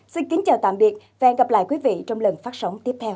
xin kính chào tạm biệt và hẹn gặp lại quý vị trong lần phát sóng tiếp theo